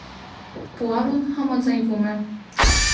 Պուարոն համաձայնվում է։